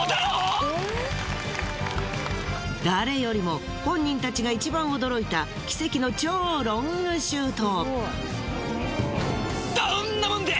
誰よりも本人たちがいちばん驚いた奇跡の超ロングシュート。